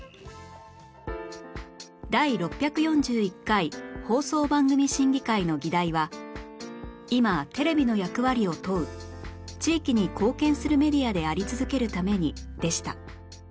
第６４１回放送番組審議会の議題は「いま、テレビの役割を問う地域に貢献するメディアであり続けるために」でした